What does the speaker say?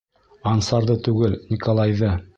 — Ансарҙы түгел, Николайҙы...